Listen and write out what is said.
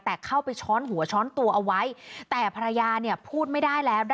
แต่เข้าไปช้อนหัวช้อนตัวเอาไว้แต่ภรรยาเนี่ยพูดไม่ได้แล้ว